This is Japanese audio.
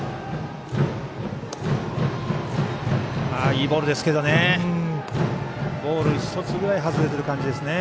いいボールですけどね。